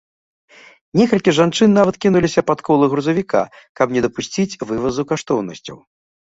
Некалькі жанчын нават кінуліся пад колы грузавіка, каб не дапусціць вывазу каштоўнасцяў.